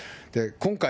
今回、